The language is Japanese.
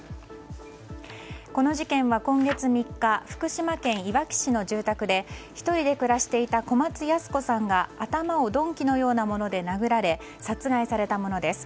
この事件は今月３日福島県いわき市の住宅で１人で暮らしていた小松ヤス子さんが頭を鈍器のようなもので殴られ殺害されたものです。